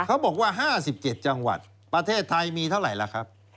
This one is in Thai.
เขาบอกว่า๕๗จังหวัดประเทศไทยมีเท่าไหร่ล่ะครับ